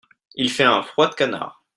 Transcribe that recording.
Il fait un froid de canard.